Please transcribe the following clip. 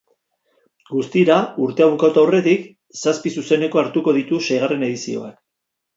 Guztira, urtea bukatu aurretik, zazpi zuzeneko hartuko ditu seigarren edizioak.